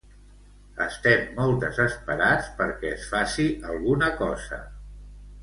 Estem molt desesperats perquè es faci alguna cosa.